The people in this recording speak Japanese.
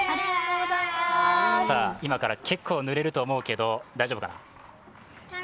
今から結構ぬれると思うけど大丈夫かな？